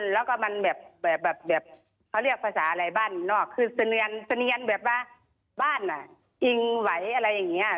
แล้วก็มันแบบเขาเรียกภาษาอะไรบ้านนอกคือเสนียนแบบว่าบ้านอ่ะอิงไหวอะไรอย่างนี้